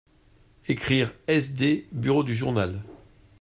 Ecrire SD bureau du journal.